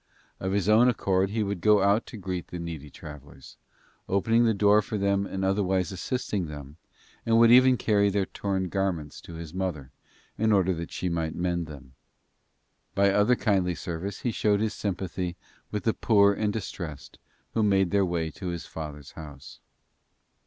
Of his own accord he would go out to greet the needy travelers, opening the door for them and otherwise assisting them, and would even carry their torn garments to his mother, in order that she might mend them. By other kindly service he showed his sympathy with the poor and distressed who made their way to his father's house.